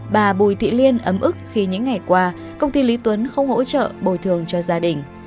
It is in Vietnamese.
bà bùi thị liên ấm ức khi những ngày qua công ty lý tuấn không hỗ trợ bồi thường cho gia đình